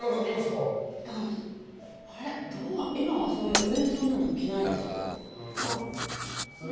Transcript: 今は上にそんなの着ないですよ。